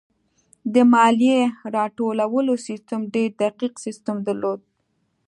د مالیې راټولولو سیستم ډېر دقیق سیستم درلود.